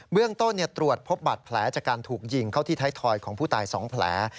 เรื่องต้นตรวจพบบัตรแผลจากการถูกยิงเข้าที่ไทยทอยของผู้ตาย๒แผล